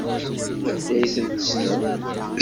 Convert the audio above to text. Anda ay tent-tessnem?